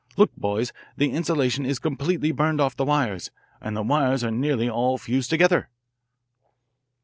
Look, boys, the insulation is completely burned off the wires, and the wires are nearly all fused together."